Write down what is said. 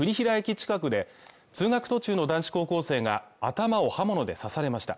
近くで通学途中の男子高校生が頭を刃物で刺されました